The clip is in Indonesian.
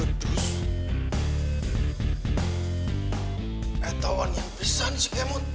eh tauan yang pisah nih si kemut